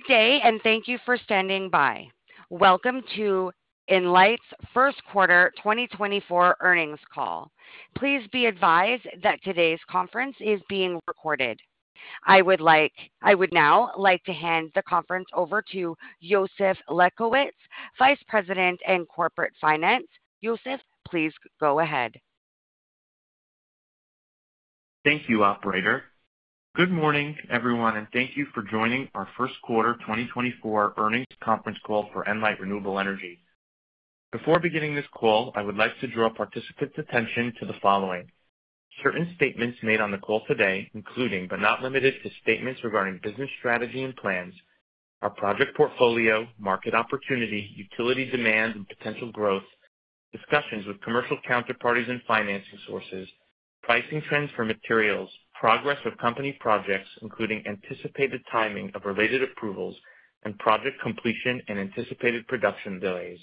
Good day, and thank you for standing by. Welcome to Enlight's first quarter 2024 earnings call. Please be advised that today's conference is being recorded. I would now like to hand the conference over to Yosef Lefkovitz, Vice President in Corporate Finance. Yosef, please go ahead. Thank you, operator. Good morning, everyone, and thank you for joining our first quarter 2024 earnings conference call for Enlight Renewable Energy. Before beginning this call, I would like to draw participants' attention to the following. Certain statements made on the call today, including but not limited to statements regarding business strategy and plans, our project portfolio, market opportunity, utility demand and potential growth, discussions with commercial counterparties and financing sources, pricing trends for materials, progress of company projects, including anticipated timing of related approvals and project completion and anticipated production delays,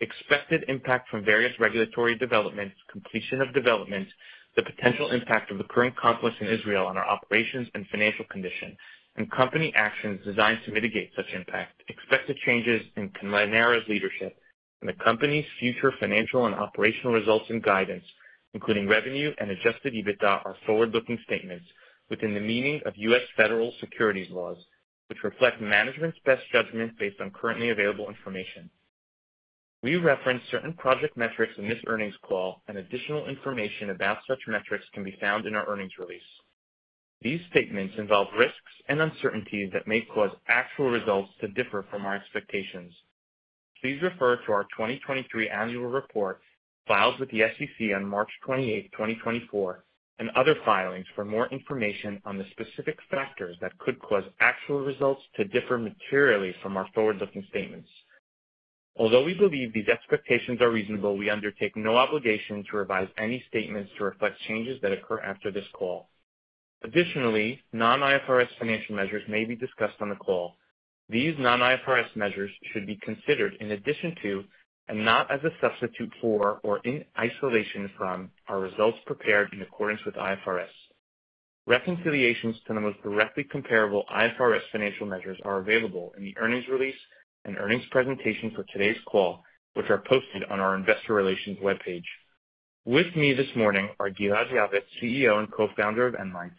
expected impact from various regulatory developments, completion of developments, the potential impact of the current conflict in Israel on our operations and financial condition, and company actions designed to mitigate such impact, expected changes in Clēnera's leadership and the company's future financial and operational results and guidance, including revenue and adjusted EBITDA, are forward-looking statements within the meaning of U.S. federal securities laws, which reflect management's best judgment based on currently available information. We reference certain project metrics in this earnings call, and additional information about such metrics can be found in our earnings release. These statements involve risks and uncertainties that may cause actual results to differ from our expectations. Please refer to our 2023 annual report, filed with the SEC on March 28, 2024, and other filings for more information on the specific factors that could cause actual results to differ materially from our forward-looking statements. Although we believe these expectations are reasonable, we undertake no obligation to revise any statements to reflect changes that occur after this call. Additionally, non-IFRS financial measures may be discussed on the call. These non-IFRS measures should be considered in addition to, and not as a substitute for or in isolation from, our results prepared in accordance with IFRS. Reconciliations to the most directly comparable IFRS financial measures are available in the earnings release and earnings presentation for today's call, which are posted on our investor relations webpage. With me this morning are Gilad Yavetz, CEO and co-founder of Enlight,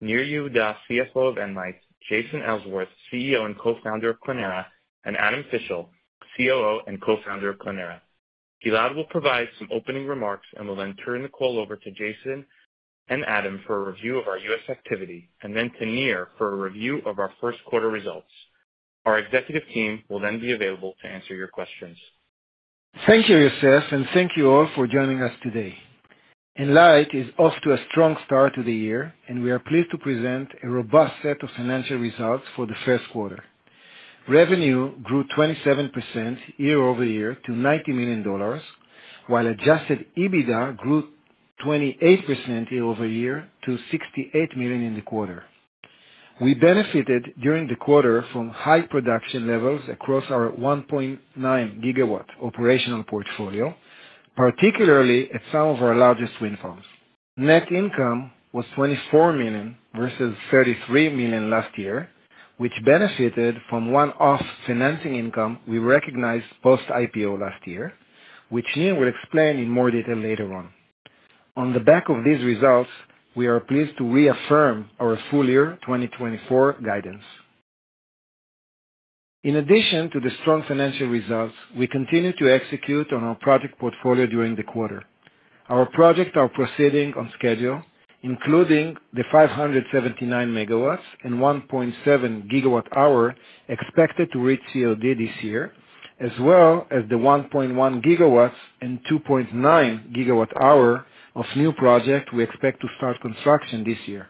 Nir Yehuda, CFO of Enlight, Jason Ellsworth, CEO and co-founder of Clēnera, and Adam Pishl, COO and co-founder of Clēnera. Gilad will provide some opening remarks and will then turn the call over to Jason and Adam for a review of our U.S. activity, and then to Nir for a review of our first quarter results. Our executive team will then be available to answer your questions. Thank you, Yosef, and thank you all for joining us today. Enlight is off to a strong start to the year, and we are pleased to present a robust set of financial results for the first quarter. Revenue grew 27% year-over-year to $90 million, while adjusted EBITDA grew 28% year-over-year to $68 million in the quarter. We benefited during the quarter from high production levels across our 1.9 GW operational portfolio, particularly at some of our largest wind farms. Net income was $24 million versus $33 million last year, which benefited from one-off financing income we recognized post-IPO last year, which Nir will explain in more detail later on. On the back of these results, we are pleased to reaffirm our full-year 2024 guidance. In addition to the strong financial results, we continued to execute on our project portfolio during the quarter. Our projects are proceeding on schedule, including the 579 MWh and 1.7 GWh expected to reach COD this year, as well as the 1.1 GW and 2.9 GWh of new project we expect to start construction this year.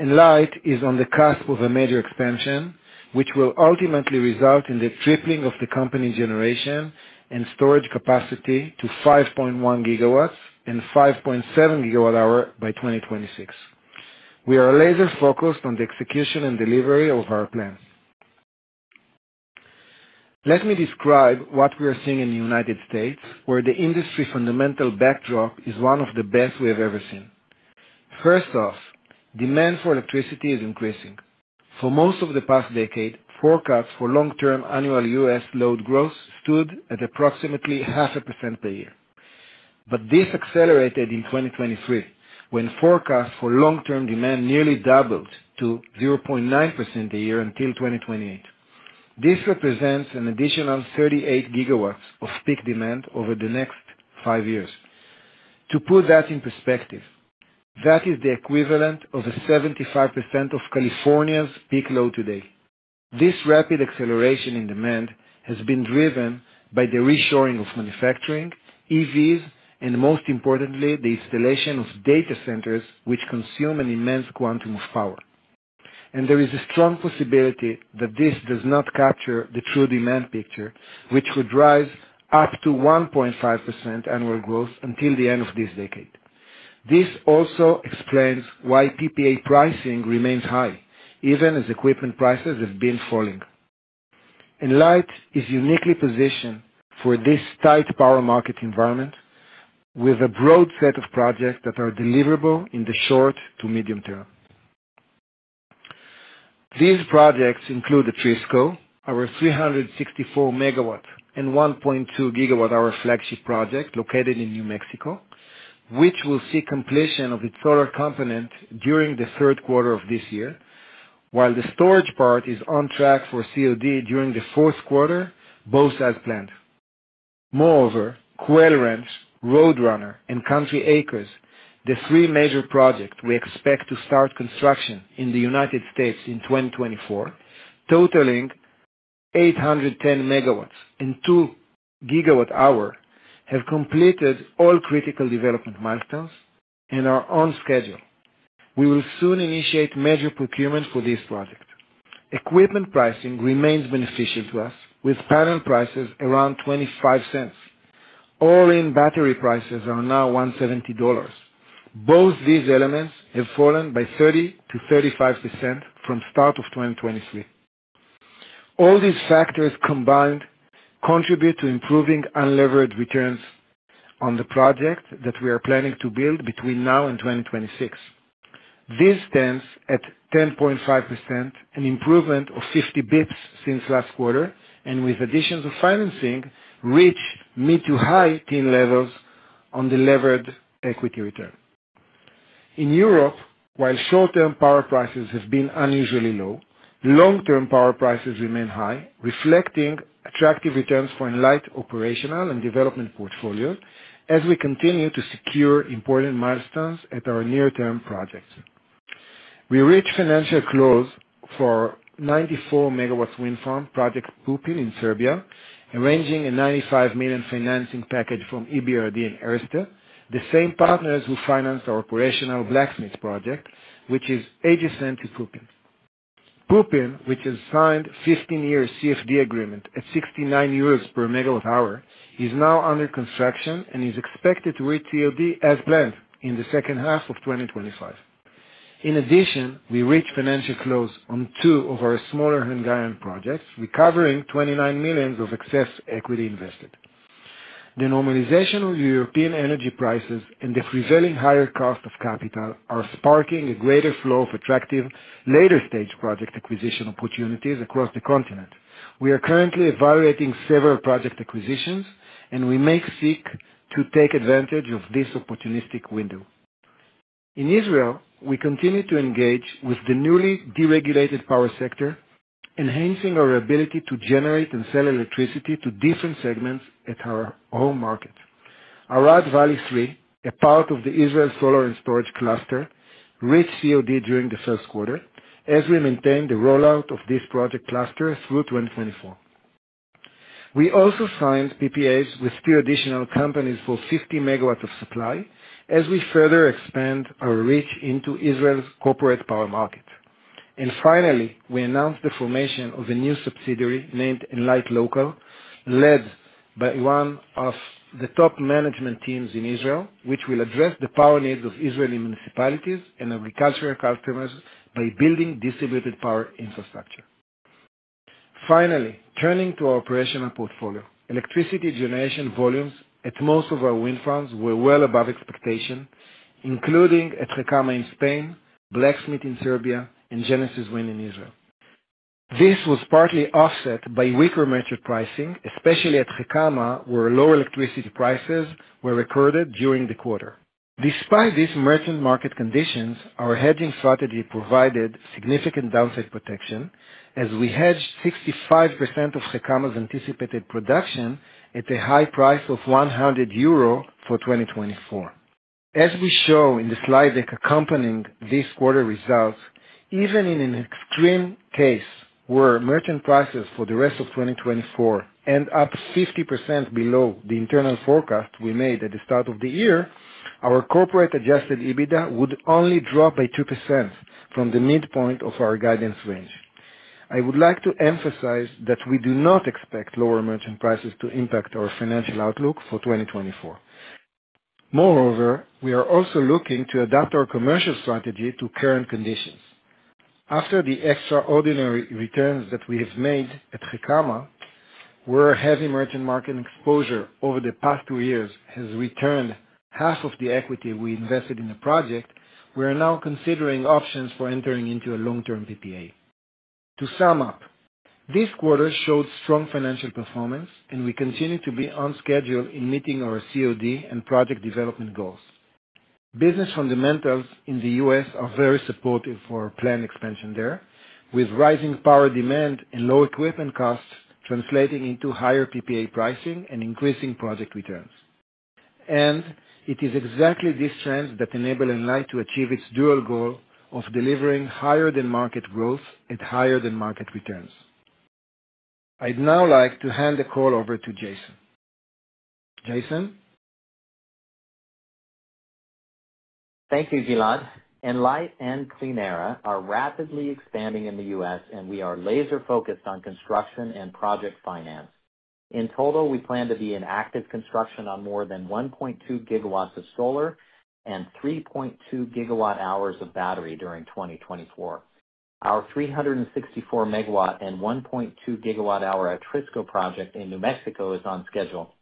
Enlight is on the cusp of a major expansion, which will ultimately result in the tripling of the company's generation and storage capacity to 5.1 GW and 5.7 GWh by 2026. We are laser-focused on the execution and delivery of our plans. Let me describe what we are seeing in the United States, where the industry fundamental backdrop is one of the best we have ever seen. First off, demand for electricity is increasing. For most of the past decade, forecasts for long-term annual U.S. load growth stood at approximately 0.5% per year. But this accelerated in 2023, when forecasts for long-term demand nearly doubled to 0.9% a year until 2028. This represents an additional 38 GW of peak demand over the next five years. To put that in perspective, that is the equivalent of 75% of California's peak load today. This rapid acceleration in demand has been driven by the reshoring of manufacturing, EVs, and most importantly, the installation of data centers, which consume an immense quantum of power. And there is a strong possibility that this does not capture the true demand picture, which could rise up to 1.5% annual growth until the end of this decade. This also explains why PPA pricing remains high, even as equipment prices have been falling.... Enlight is uniquely positioned for this tight power market environment, with a broad set of projects that are deliverable in the short to medium term. These projects include the Atrisco, our 364 MWh and 1.2 GWh flagship project located in New Mexico, which will see completion of its solar component during the third quarter of this year, while the storage part is on track for COD during the fourth quarter, both as planned. Moreover, Quail Ranch, Roadrunner, and Country Acres, the three major projects we expect to start construction in the United States in 2024, totaling 810 MWh and 2 GWh, have completed all critical development milestones and are on schedule. We will soon initiate major procurement for this project. Equipment pricing remains beneficial to us, with panel prices around $0.25. All-in battery prices are now $170. Both these elements have fallen by 30%-35% from start of 2023. All these factors combined contribute to improving unlevered returns on the project that we are planning to build between now and 2026. This stands at 10.5%, an improvement of 50 bps since last quarter, and with additions of financing, reach mid- to high-teens levels on the levered equity return. In Europe, while short-term power prices have been unusually low, long-term power prices remain high, reflecting attractive returns for Enlight operational and development portfolio as we continue to secure important milestones at our near-term projects. We reached financial close for 94 MW wind farm, project Pupin in Serbia, arranging a 95 million financing package from EBRD and Erste, the same partners who financed our operational Blacksmith project, which is adjacent to Pupin. Pupin, which has signed 15-year CFD agreement at 69 euros per MWh, is now under construction and is expected to reach COD as planned in the second half of 2025. In addition, we reached financial close on two of our smaller Hungarian projects, recovering 29 million of excess equity invested. The normalization of European energy prices and the prevailing higher cost of capital are sparking a greater flow of attractive later-stage project acquisition opportunities across the continent. We are currently evaluating several project acquisitions, and we may seek to take advantage of this opportunistic window. In Israel, we continue to engage with the newly deregulated power sector, enhancing our ability to generate and sell electricity to different segments at our home market. Arad Valley 3, a part of the Israel Solar and Storage Cluster, reached COD during the first quarter, as we maintain the rollout of this project cluster through 2024. We also signed PPAs with two additional companies for 50 MW of supply, as we further expand our reach into Israel's corporate power market. And finally, we announced the formation of a new subsidiary named Enlight Local, led by one of the top management teams in Israel, which will address the power needs of Israeli municipalities and agricultural customers by building distributed power infrastructure. Finally, turning to our operational portfolio. Electricity generation volumes at most of our wind farms were well above expectation, including at Gecama in Spain, Blacksmith in Serbia, and Genesis Wind in Israel. This was partly offset by weaker merchant pricing, especially at Gecama, where lower electricity prices were recorded during the quarter. Despite these merchant market conditions, our hedging strategy provided significant downside protection, as we hedged 65% of Gecama's anticipated production at a high price of 100 euro for 2024. As we show in the slide deck accompanying these quarter results, even in an extreme case where merchant prices for the rest of 2024 end up 50% below the internal forecast we made at the start of the year, our corporate-adjusted EBITDA would only drop by 2% from the midpoint of our guidance range. I would like to emphasize that we do not expect lower merchant prices to impact our financial outlook for 2024. Moreover, we are also looking to adapt our commercial strategy to current conditions. After the extraordinary returns that we have made at Gecama, where heavy merchant market exposure over the past 2 years has returned half of the equity we invested in the project, we are now considering options for entering into a long-term PPA. To sum up, this quarter showed strong financial performance, and we continue to be on schedule in meeting our COD and project development goals. Business fundamentals in the U.S. are very supportive for planned expansion there, with rising power demand and low equipment costs translating into higher PPA pricing and increasing project returns. It is exactly this trend that enable Enlight to achieve its dual goal of delivering higher-than-market growth at higher-than-market returns. I'd now like to hand the call over to Jason. Jason? Thank you, Gilad. Enlight and Clenera are rapidly expanding in the U.S., and we are laser-focused on construction and project finance. In total, we plan to be in active construction on more than 1.2 GW of solar and 3.2 GWh of battery during 2024. Our 364 MW and 1.2 GWh Atrisco project in New Mexico is on schedule.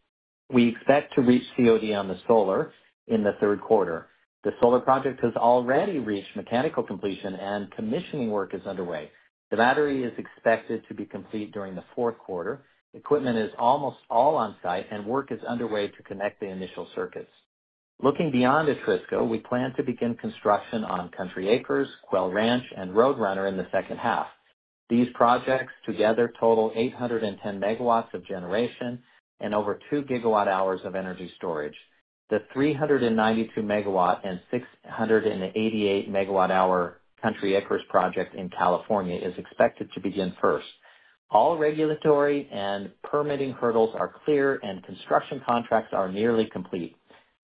We expect to reach COD on the solar in the third quarter. The solar project has already reached mechanical completion, and commissioning work is underway. The battery is expected to be complete during the fourth quarter. Equipment is almost all on-site, and work is underway to connect the initial circuits. Looking beyond Atrisco, we plan to begin construction on Country Acres, Quail Ranch, and Roadrunner in the second half. These projects together total 810 MW of generation and over 2 GWh of energy storage. The 392 MW and 688 MWh Country Acres project in California is expected to begin first. All regulatory and permitting hurdles are clear, and construction contracts are nearly complete.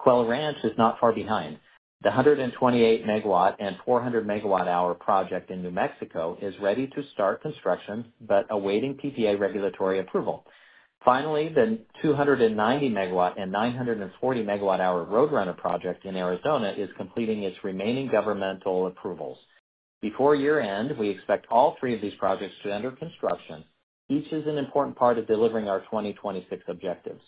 Quail Ranch is not far behind. The 128 MW and 400 MWh project in New Mexico is ready to start construction, but awaiting PPA regulatory approval. Finally, the 290 MW and 940 MWh Roadrunner project in Arizona is completing its remaining governmental approvals. Before year-end, we expect all three of these projects to enter construction. Each is an important part of delivering our 2026 objectives.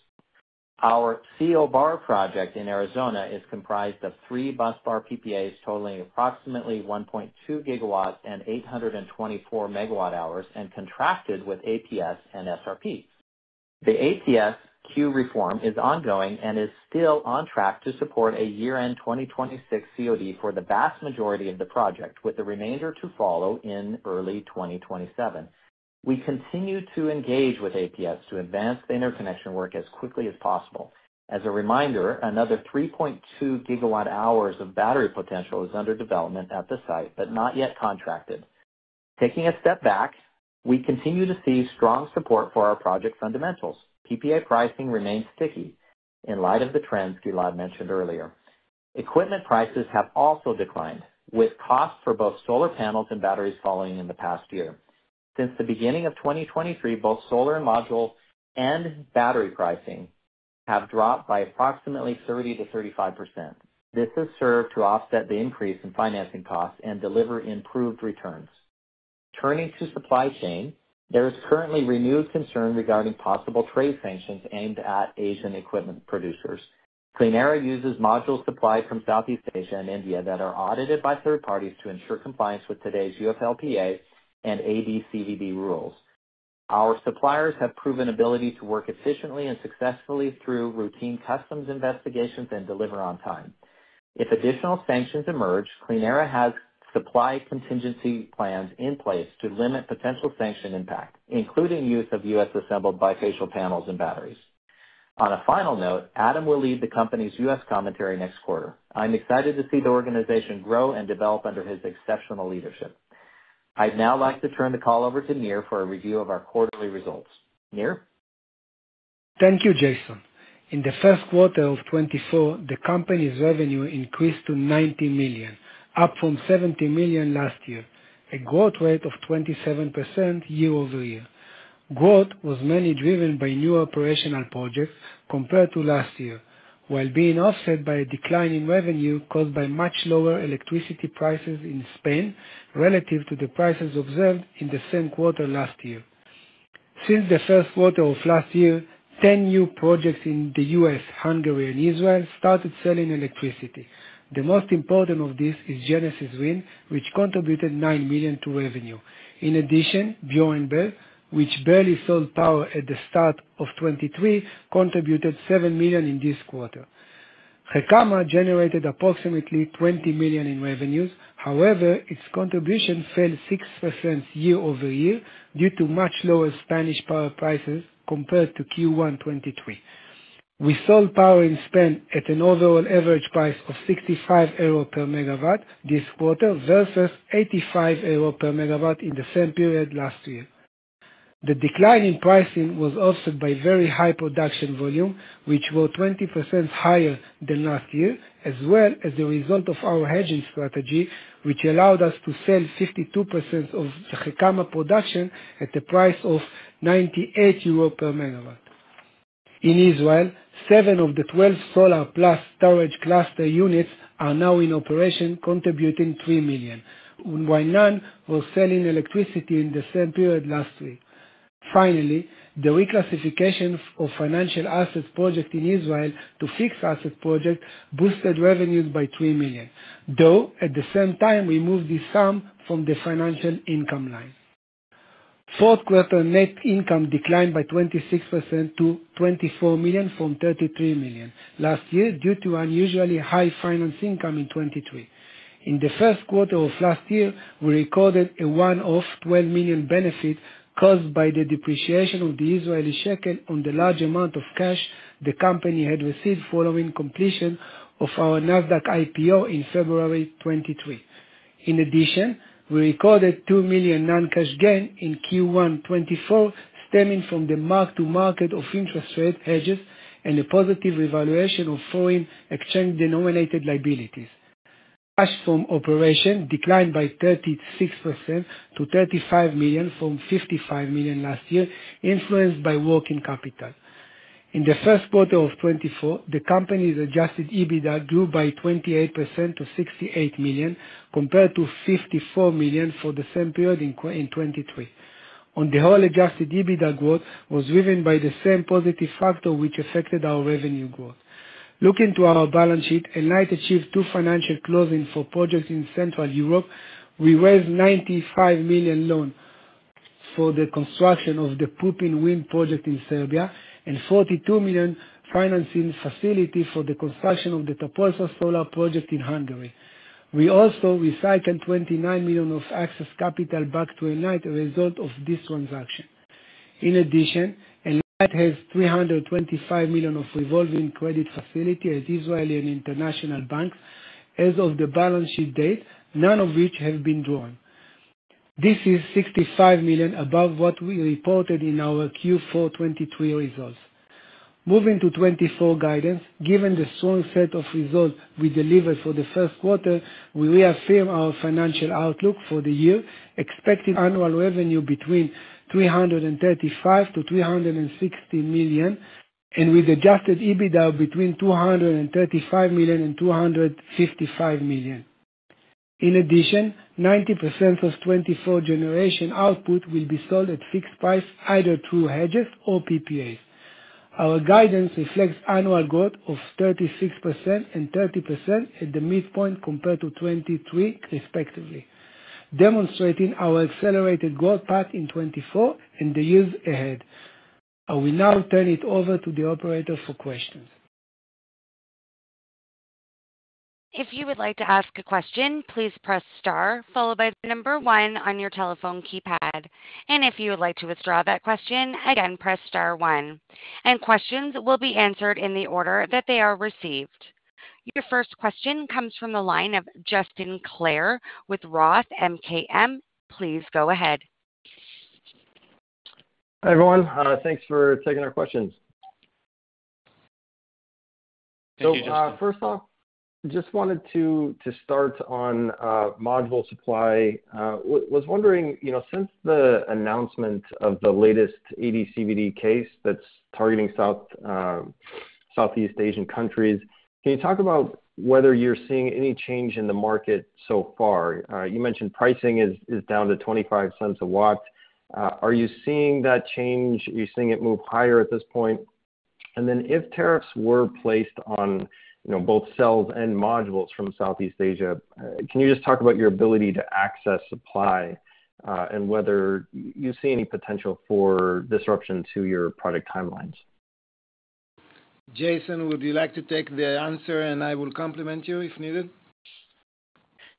Our CO Bar project in Arizona is comprised of three busbar PPAs, totaling approximately 1.2 GW and 824 MWh, and contracted with APS and SRP. The APS queue reform is ongoing and is still on track to support a year-end 2026 COD for the vast majority of the project, with the remainder to follow in early 2027. We continue to engage with APS to advance the interconnection work as quickly as possible. As a reminder, another 3.2 GWh of battery potential is under development at the site, but not yet contracted. Taking a step back, we continue to see strong support for our project fundamentals. PPA pricing remains sticky in light of the trends Gilad mentioned earlier. Equipment prices have also declined, with costs for both solar panels and batteries falling in the past year. Since the beginning of 2023, both solar and module and battery pricing have dropped by approximately 30%-35%. This has served to offset the increase in financing costs and deliver improved returns. Turning to supply chain, there is currently renewed concern regarding possible trade sanctions aimed at Asian equipment producers. Clenera uses module supply from Southeast Asia and India that are audited by third parties to ensure compliance with today's UFLPA and AD/CVD rules. Our suppliers have proven ability to work efficiently and successfully through routine customs investigations and deliver on time. If additional sanctions emerge, Clenera has supply contingency plans in place to limit potential sanction impact, including use of U.S. assembled bifacial panels and batteries. On a final note, Adam will lead the company's US commentary next quarter. I'm excited to see the organization grow and develop under his exceptional leadership. I'd now like to turn the call over to Nir for a review of our quarterly results. Nir? Thank you, Jason. In the first quarter of 2024, the company's revenue increased to $90 million, up from $70 million last year, a growth rate of 27% year-over-year. Growth was mainly driven by new operational projects compared to last year, while being offset by a decline in revenue caused by much lower electricity prices in Spain relative to the prices observed in the same quarter last year. Since the first quarter of last year, 10 new projects in the US, Hungary, and Israel started selling electricity. The most important of this is Genesis Wind, which contributed $9 million to revenue. In addition, Björnberget, which barely sold power at the start of 2023, contributed $7 million in this quarter. Gecama generated approximately $20 million in revenues. However, its contribution fell 6% year-over-year due to much lower Spanish power prices compared to Q1 2023. We sold power in Spain at an overall average price of 65 euro per MW this quarter, versus 85 euro per MW in the same period last year. The decline in pricing was offset by very high production volume, which were 20% higher than last year, as well as a result of our hedging strategy, which allowed us to sell 52% of Gecama production at the price of 98 euro per MW. In Israel, seven of the 12 solar plus storage cluster units are now in operation, contributing $3 million, while none were selling electricity in the same period last year. Finally, the reclassification of financial assets project in Israel to fixed asset project boosted revenues by $3 million, though at the same time, we moved this sum from the financial income line. Fourth quarter net income declined by 26% to $24 million from $33 million last year, due to unusually high finance income in 2023. In the first quarter of last year, we recorded a one-off $12 million benefit caused by the depreciation of the Israeli shekel on the large amount of cash the company had received following completion of our NASDAQ IPO in February 2023. In addition, we recorded $2 million non-cash gain in Q1 2024, stemming from the mark to market of interest rate hedges and a positive revaluation of foreign exchange-denominated liabilities. Cash from operation declined by 36% to $35 million from $55 million last year, influenced by working capital. In the first quarter of 2024, the company's adjusted EBITDA grew by 28% to $68 million, compared to $54 million for the same period in 2023. On the whole, adjusted EBITDA growth was driven by the same positive factor, which affected our revenue growth. Looking to our balance sheet, Enlight achieved two financial closings for projects in Central Europe. We raised $95 million loan for the construction of the Pupin Wind Project in Serbia, and $42 million financing facility for the construction of the Tapolca Solar Project in Hungary. We also recycled $29 million of excess capital back to Enlight, a result of this transaction. In addition, Enlight has $325 million of revolving credit facility at Israeli and international banks as of the balance sheet date, none of which have been drawn. This is $65 million above what we reported in our Q4 2023 results. Moving to 2024 guidance, given the strong set of results we delivered for the first quarter, we reaffirm our financial outlook for the year, expecting annual revenue between $335 million to $360 million, and with adjusted EBITDA between $235 million to $255 million. In addition, 90% of 2024 generation output will be sold at fixed price, either through hedges or PPAs. Our guidance reflects annual growth of 36% and 30% at the midpoint compared to 2023, respectively, demonstrating our accelerated growth path in 2024 and the years ahead. I will now turn it over to the operator for questions. If you would like to ask a question, please press star, followed by the number one on your telephone keypad. If you would like to withdraw that question, again, press star one. Questions will be answered in the order that they are received. Your first question comes from the line of Justin Clare with Roth MKM. Please go ahead. Hi, everyone. Thanks for taking our questions. Thank you, Justin. So, first off, just wanted to start on module supply. Was wondering, you know, since the announcement of the latest AD/CVD case that's targeting Southeast Asian countries, can you talk about whether you're seeing any change in the market so far? You mentioned pricing is down to $0.25/W. Are you seeing that change? Are you seeing it move higher at this point? And then, if tariffs were placed on, you know, both cells and modules from Southeast Asia, can you just talk about your ability to access supply, and whether you see any potential for disruption to your product timelines? Jason, would you like to take the answer, and I will supplement you if needed?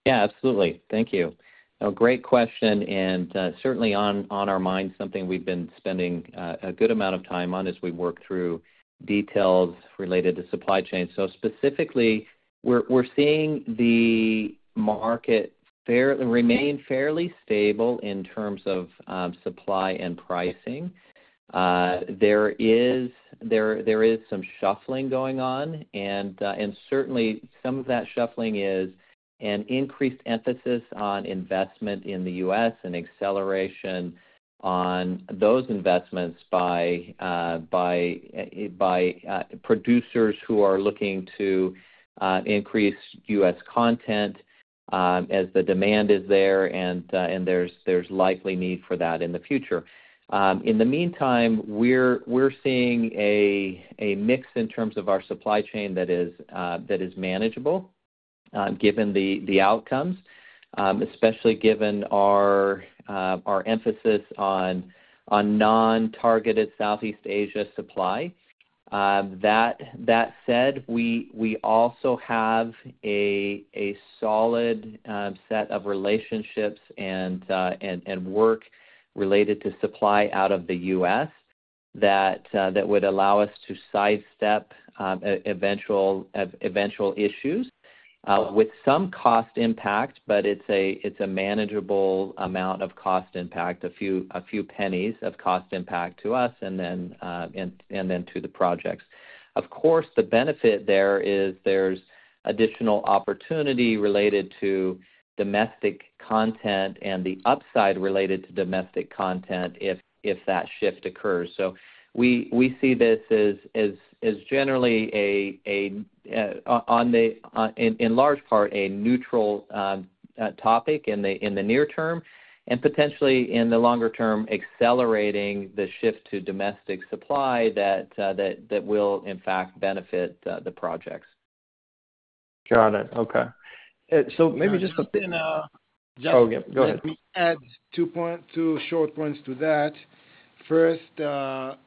Yeah, absolutely. Thank you. A great question, and certainly on our mind, something we've been spending a good amount of time on as we work through details related to supply chain. So specifically, we're seeing the market remain fairly stable in terms of supply and pricing. There is some shuffling going on, and certainly some of that shuffling is an increased emphasis on investment in the U.S. and acceleration on those investments by producers who are looking to increase U.S. content, as the demand is there and there's likely need for that in the future. In the meantime, we're seeing a mix in terms of our supply chain that is manageable, given the outcomes, especially given our emphasis on non-targeted Southeast Asia supply. That said, we also have a solid set of relationships and work related to supply out of the U.S. that would allow us to sidestep eventual issues with some cost impact, but it's a manageable amount of cost impact, a few pennies of cost impact to us, and then to the projects. Of course, the benefit there is there's additional opportunity related to domestic content and the upside related to domestic content if that shift occurs. So we see this as generally, in large part, a neutral topic in the near term, and potentially in the longer term, accelerating the shift to domestic supply that will in fact benefit the projects. Got it. Okay. So maybe just a thin, Oh, yeah, go ahead. Let me add two short points to that. First,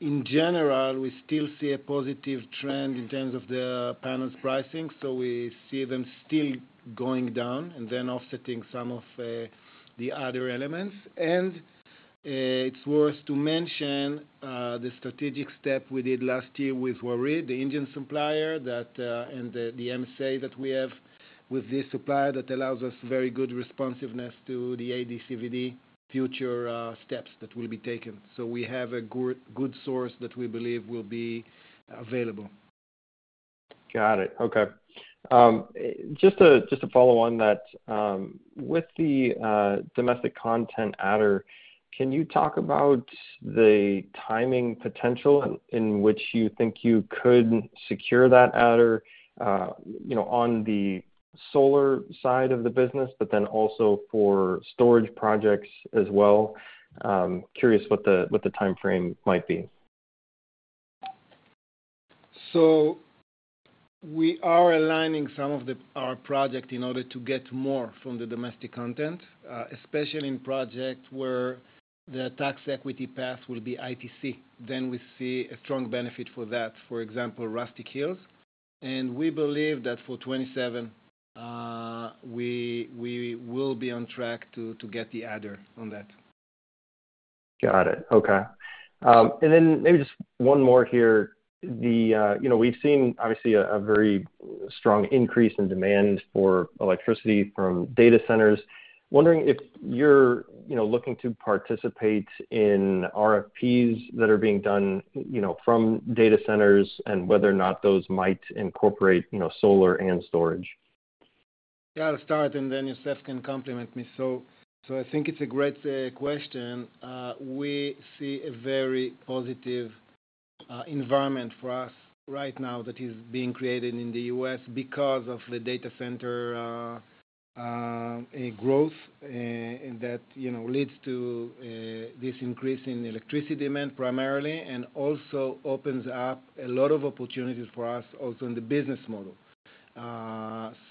in general, we still see a positive trend in terms of the panels pricing, so we see them still going down and then offsetting some of the other elements. And it's worth to mention the strategic step we did last year with Waaree, the Indian supplier, and the MSA that we have with this supplier, that allows us very good responsiveness to the AD/CVD future steps that will be taken. So we have a good source that we believe will be available.... Got it. Okay. Just to follow on that, with the Domestic Content Adder, can you talk about the timing potential in which you think you could secure that adder, you know, on the solar side of the business, but then also for storage projects as well? Curious what the time frame might be. So we are aligning some of our projects in order to get more from the domestic content, especially in projects where the tax equity path will be ITC. Then we see a strong benefit for that, for example, Rustic Hills. And we believe that for 2027, we will be on track to get the adder on that. Got it. Okay. And then maybe just one more here. The, you know, we've seen obviously a very strong increase in demand for electricity from data centers. Wondering if you're, you know, looking to participate in RFPs that are being done, you know, from data centers, and whether or not those might incorporate, you know, solar and storage. Yeah, I'll start, and then Yosef can complement me. So I think it's a great question. We see a very positive environment for us right now that is being created in the U.S. because of the data center growth, and that, you know, leads to this increase in electricity demand primarily, and also opens up a lot of opportunities for us also in the business model.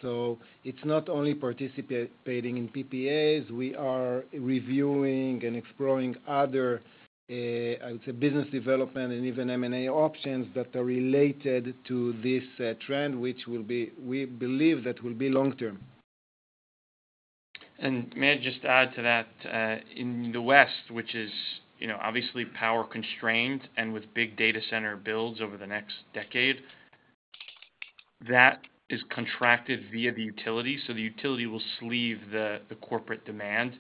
So it's not only participating in PPAs, we are reviewing and exploring other, I would say, business development and even M&A options that are related to this trend, which will be-- we believe that will be long term. And may I just add to that, in the West, which is, you know, obviously power constrained and with big data center builds over the next decade, that is contracted via the utility. So the utility will sleeve the corporate demand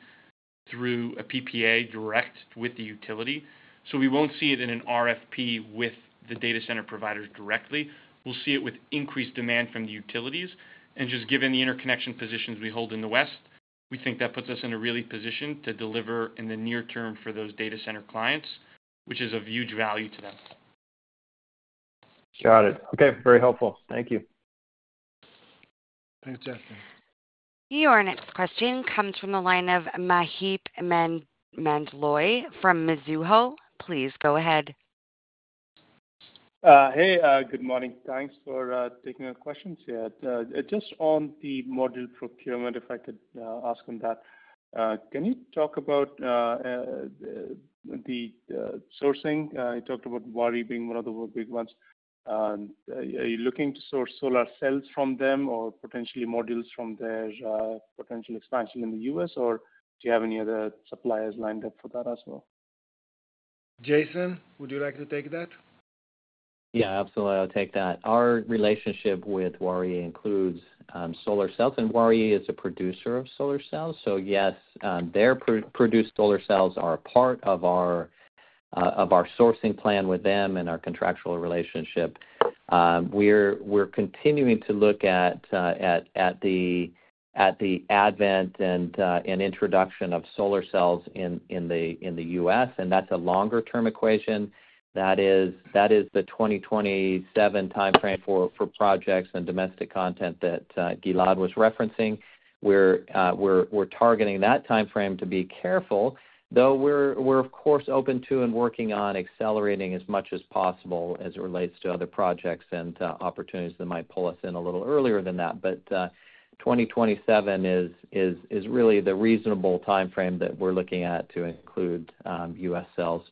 through a PPA direct with the utility. So we won't see it in an RFP with the data center providers directly. We'll see it with increased demand from the utilities. And just given the interconnection positions we hold in the West, we think that puts us in a really position to deliver in the near term for those data center clients, which is of huge value to them. Got it. Okay, very helpful. Thank you. Thanks. Your next question comes from the line of Maheep Mandloi from Mizuho. Please go ahead. Hey, good morning. Thanks for taking our questions here. Just on the module procurement, if I could ask on that. Can you talk about the sourcing? You talked about Waaree being one of the big ones. Are you looking to source solar cells from them or potentially modules from their potential expansion in the U.S., or do you have any other suppliers lined up for that as well? Jason, would you like to take that? Yeah, absolutely. I'll take that. Our relationship with Waaree includes solar cells, and Waaree is a producer of solar cells, so yes, their produced solar cells are a part of our of our sourcing plan with them and our contractual relationship. We're continuing to look at the advent and introduction of solar cells in the U.S., and that's a longer-term equation. That is the 2027 timeframe for projects and domestic content that Gilad was referencing. We're targeting that timeframe to be careful, though we're of course open to and working on accelerating as much as possible as it relates to other projects and opportunities that might pull us in a little earlier than that. 2027 is really the reasonable timeframe that we're looking at to include U.S. sales.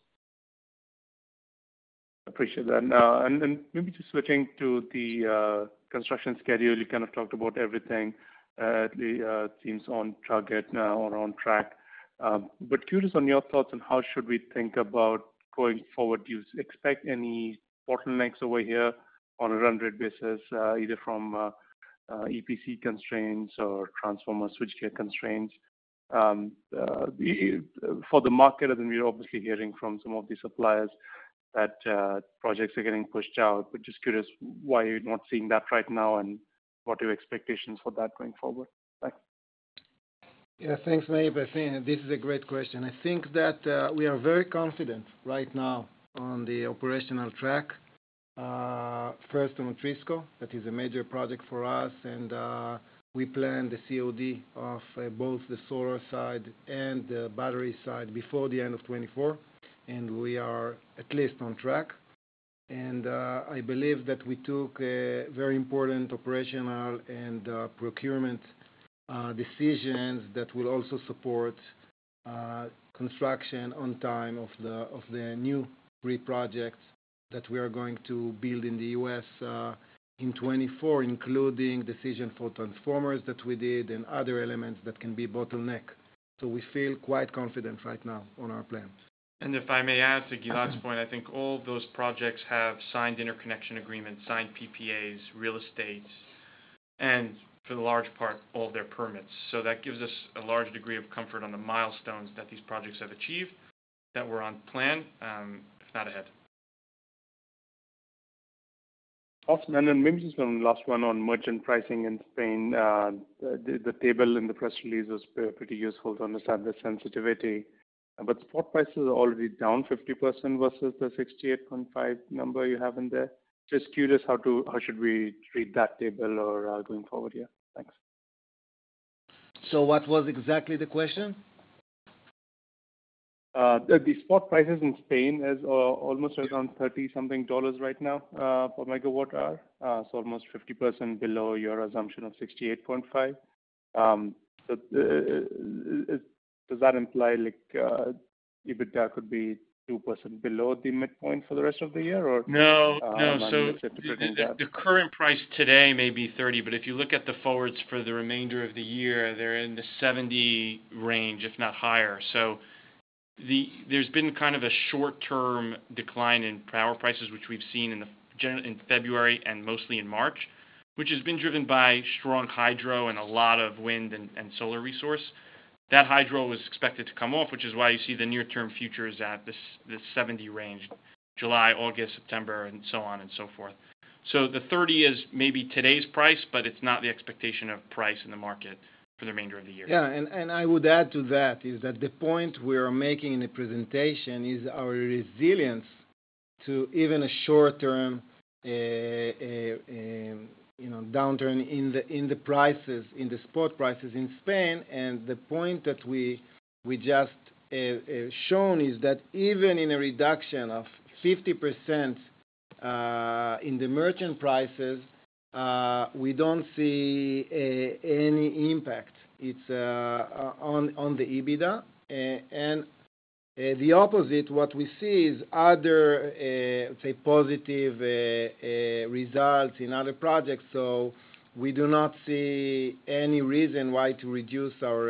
Appreciate that. Maybe just switching to the construction schedule. You kind of talked about everything, it seems on target now or on track. But curious on your thoughts on how should we think about going forward? Do you expect any bottlenecks over here on a run rate basis, either from EPC constraints or transformer switchgear constraints? For the market, and we're obviously hearing from some of the suppliers that projects are getting pushed out, but just curious why you're not seeing that right now and what are your expectations for that going forward? Thanks. Yeah, thanks, Maheep. I think this is a great question. I think that we are very confident right now on the operational track. First on Atrisco, that is a major project for us, and we plan the COD of both the solar side and the battery side before the end of 2024, and we are at least on track. And I believe that we took a very important operational and procurement decisions that will also support construction on time of the new three projects that we are going to build in the U.S., in 2024, including decision for transformers that we did and other elements that can be bottleneck. So we feel quite confident right now on our plan. If I may add to Gilad's point, I think all those projects have signed interconnection agreements, signed PPAs, real estates, and for the large part, all their permits. So that gives us a large degree of comfort on the milestones that these projects have achieved, that we're on plan, if not ahead. Awesome. Then maybe just one last one on merchant pricing in Spain. The table in the press release was pretty useful to understand the sensitivity, but spot prices are already down 50% versus the 68.5 number you have in there. Just curious how should we treat that table or going forward here? Thanks. So what was exactly the question? The spot prices in Spain is almost around $30 something right now per megawatt hour. So almost 50% below your assumption of $68.5. So the... Does that imply, like, EBITDA could be 2% below the midpoint for the rest of the year, or? No, no. So the current price today may be 30, but if you look at the forwards for the remainder of the year, they're in the 70 range, if not higher. So there's been kind of a short-term decline in power prices, which we've seen in February and mostly in March, which has been driven by strong hydro and a lot of wind and solar resource. That hydro was expected to come off, which is why you see the near-term futures at this 70 range, July, August, September, and so on and so forth. So the 30 is maybe today's price, but it's not the expectation of price in the market for the remainder of the year. Yeah, and I would add to that, is that the point we are making in the presentation is our resilience to even a short-term, you know, downturn in the prices, in the spot prices in Spain. And the point that we just shown, is that even in a reduction of 50%, in the merchant prices, we don't see any impact. It's on the EBITDA. And the opposite, what we see is other, say, positive results in other projects. So we do not see any reason why to reduce our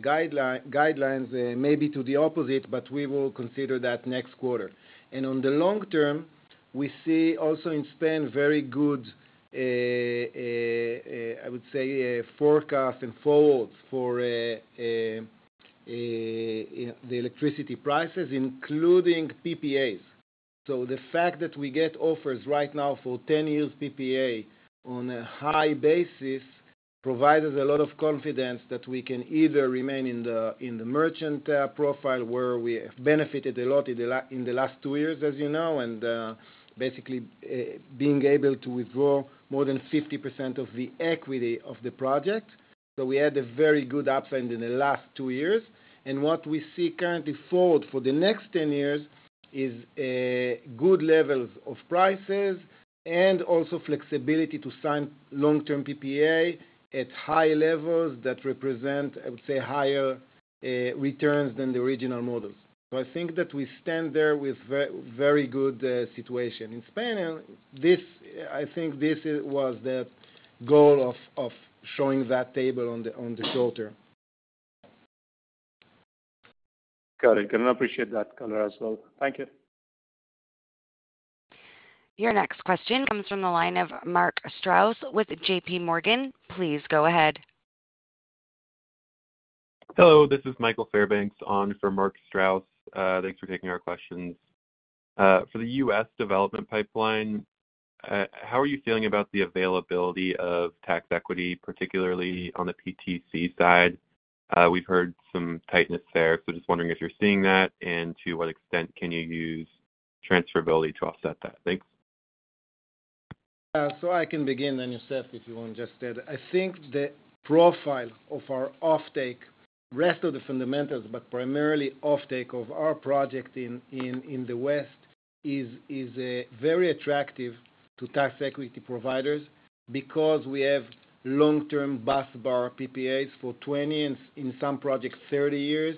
guidelines, maybe to the opposite, but we will consider that next quarter. On the long term, we see also in Spain very good, I would say, forecast and forwards for the electricity prices, including PPAs. So the fact that we get offers right now for 10 years PPA on a high basis provides us a lot of confidence that we can either remain in the, in the merchant profile, where we benefited a lot in the last two years, as you know, and basically being able to withdraw more than 50% of the equity of the project. So we had a very good upfront in the last two years, and what we see currently forward for the next 10 years is good levels of prices and also flexibility to sign long-term PPA at high levels that represent, I would say, higher returns than the original models. So I think that we stand there with very, very good situation. In Spain, this, I think this was the goal of showing that table on the quarter. Got it, and I appreciate that as well. Thank you. Your next question comes from the line of Mark Strouse with J.P. Morgan. Please go ahead. Hello, this is Michael Fairbanks on for Mark Strouse. Thanks for taking our questions. For the U.S. development pipeline, how are you feeling about the availability of tax equity, particularly on the PTC side? We've heard some tightness there, so just wondering if you're seeing that, and to what extent can you use transferability to offset that? Thanks. So I can begin, and Yosef, if you want, just add. I think the profile of our offtake, rest of the fundamentals, but primarily offtake of our project in the West, is very attractive to tax equity providers because we have long-term busbar PPAs for 20, and in some projects, 30 years,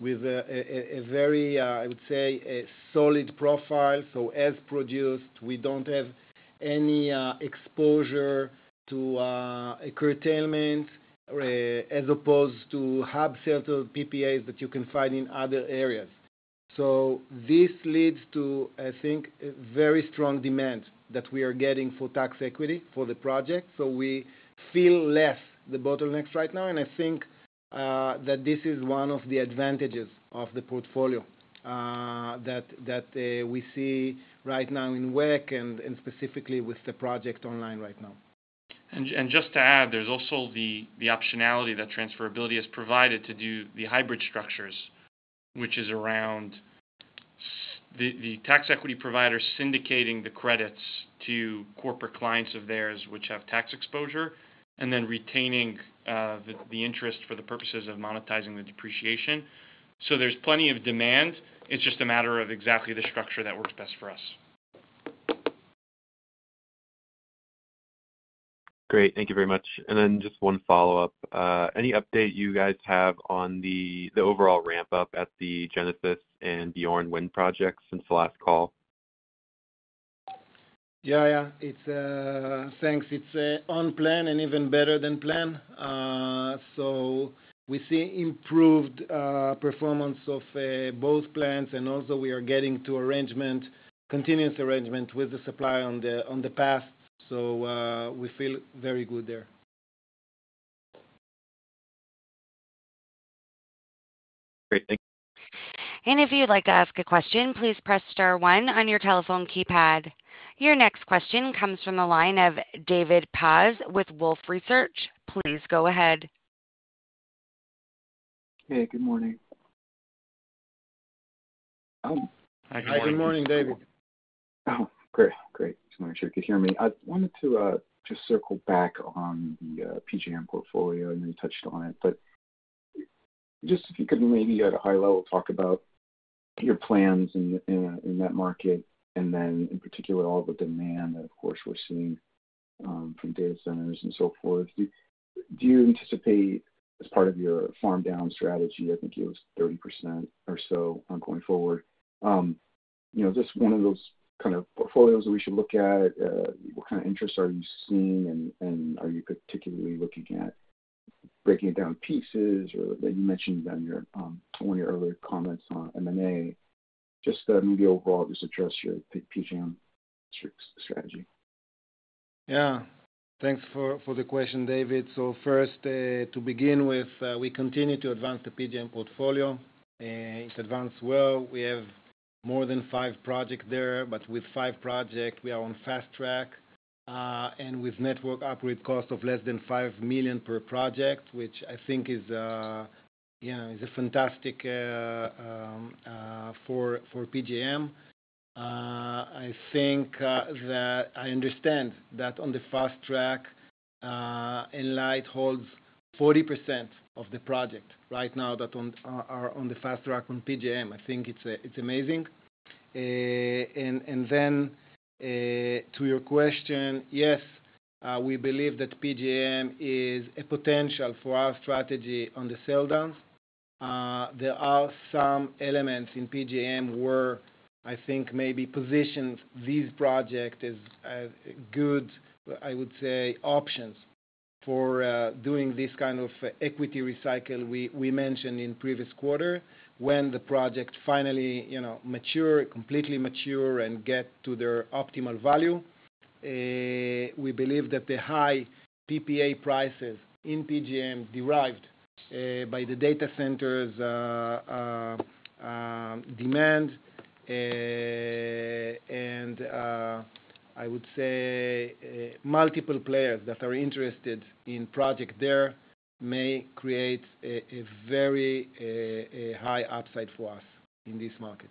with a very, I would say, a solid profile. So as produced, we don't have any exposure to a curtailment, as opposed to hub-settled PPAs that you can find in other areas. So this leads to, I think, a very strong demand that we are getting for tax equity for the project. So we feel less the bottlenecks right now, and I think that this is one of the advantages of the portfolio that we see right now in WECC and specifically with the project online right now. And just to add, there's also the optionality that transferability has provided to do the hybrid structures, which is around the tax equity provider syndicating the credits to corporate clients of theirs, which have tax exposure, and then retaining the interest for the purposes of monetizing the depreciation. So there's plenty of demand. It's just a matter of exactly the structure that works best for us. Great. Thank you very much. And then just one follow-up. Any update you guys have on the overall ramp up at the Genesis and Björn Wind projects since the last call? Yeah, yeah. It's... Thanks. It's on plan and even better than planned. We see improved performance of both plants, and also we are getting to arrangement, continuous arrangement with the supplier on the, on the path. So, we feel very good there. Great. Thank you. If you'd like to ask a question, please press star one on your telephone keypad. Your next question comes from the line of David Paz with Wolfe Research. Please go ahead. Hey, good morning. Hi, good morning, David. Oh, great, great. So make sure you could hear me. I wanted to just circle back on the PJM portfolio. I know you touched on it. But just if you could maybe at a high level talk about your plans in that market, and then in particular all the demand that of course we're seeing from data centers and so forth. Do you anticipate as part of your farm down strategy, I think it was 30% or so on going forward, you know, just one of those kind of portfolios that we should look at? What kind of interests are you seeing, and are you particularly looking at breaking it down pieces or that you mentioned on your one of your earlier comments on M&A? Just maybe overall just address your PJM strategy. Yeah. Thanks for the question, David. So first, to begin with, we continue to advance the PJM portfolio. It's advanced well. We have more than five project there, but with five project we are on fast track, and with network upgrade cost of less than $5 million per project, which I think is, yeah, is a fantastic for PJM. I think that I understand that on the fast track, Enlight holds 40% of the project right now that on the fast track on PJM. I think it's amazing. And then, to your question, yes, we believe that PJM is a potential for our strategy on the sell down. There are some elements in PJM where I think maybe positions these project as, good, I would say, options for, doing this kind of equity recycle we, we mentioned in previous quarter, when the project finally, you know, mature, completely mature and get to their optimal value. We believe that the high PPA prices in PJM, derived, by the data centers, demand, and, I would say, multiple players that are interested in project there may create a, a very, a high upside for us in this market.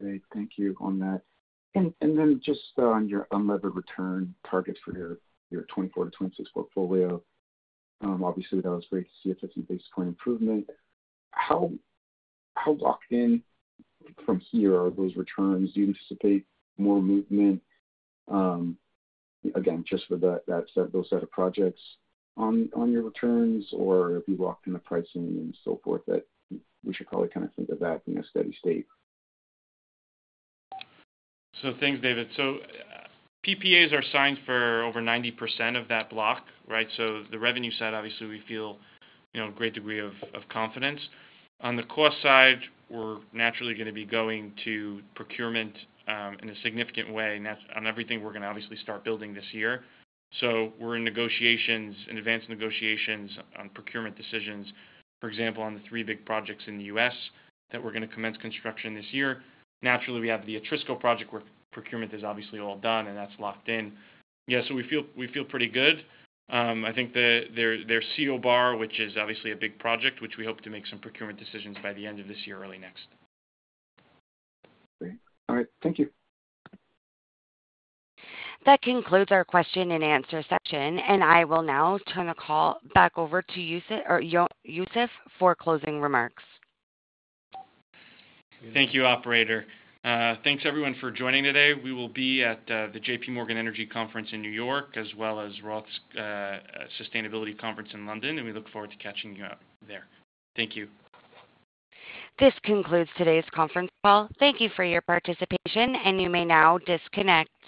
Great, thank you on that. And then just on your unlevered return targets for your 2024-2026 portfolio, obviously, that was great to see a 50 basis points improvement. How locked in from here are those returns? Do you anticipate more movement, again, just for that set of projects on your returns, or have you locked in the pricing and so forth, that we should probably kind of think of that in a steady state? So thanks, David. So PPAs are signed for over 90% of that block, right? So the revenue side, obviously, we feel, you know, a great degree of, of confidence. On the cost side, we're naturally gonna be going to procurement in a significant way, and that's on everything we're gonna obviously start building this year. So we're in negotiations, in advanced negotiations on procurement decisions, for example, on the three big projects in the U.S., that we're gonna commence construction this year. Naturally, we have the Atrisco project, where procurement is obviously all done, and that's locked in. Yeah, so we feel, we feel pretty good. I think there's CO Bar, which is obviously a big project, which we hope to make some procurement decisions by the end of this year or early next. Great. All right, thank you. That concludes our question and answer session, and I will now turn the call back over to Yosef for closing remarks. Thank you, operator. Thanks everyone for joining today. We will be at the J.P. Morgan Energy Conference in New York, as well as Roth's Sustainability Conference in London, and we look forward to catching you up there. Thank you. This concludes today's conference call. Thank you for your participation, and you may now disconnect.